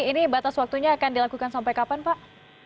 ini batas waktunya akan dilakukan sampai kapan pak